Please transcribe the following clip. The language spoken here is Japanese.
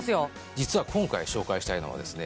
実は今回紹介したいのはですね